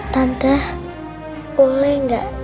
tante boleh gak